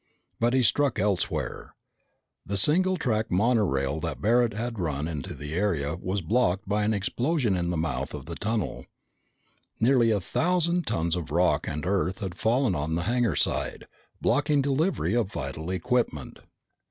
But he struck elsewhere. The single track monorail that Barret had run into the area was blocked by an explosion in the mouth of the tunnel. Nearly a thousand tons of rock and earth had fallen on the hangar side, blocking delivery of vital equipment.